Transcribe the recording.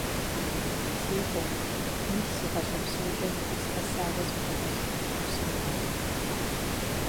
Си къуэ, мис си гъащӀэ псокӀэ зэхуэсхьэсауэ збгъэдэлъ мылъку псори.